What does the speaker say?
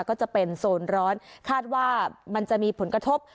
ก็จะเป็นโซนร้อนคาดว่ามันจะมีผลกระทบ